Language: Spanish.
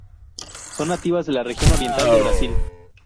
Son nativas de la región oriental de Brasil.